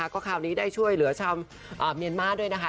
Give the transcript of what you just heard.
ก็คราวนี้ได้ช่วยเหลือชาวเมียนมาร์ด้วยนะคะ